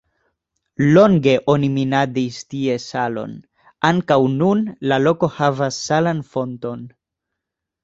Longe oni minadis tie salon, ankaŭ nun la loko havas salan fonton.